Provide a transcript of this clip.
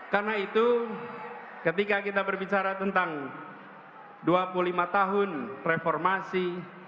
karena itu ketika kita berbicara tentang dua puluh lima tahun reformasi